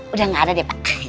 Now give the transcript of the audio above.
udah gak ada deh pak